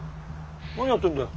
何やってんだよ？